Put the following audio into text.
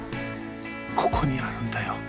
ここにあるんだよ。